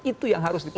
itu yang harus dipegang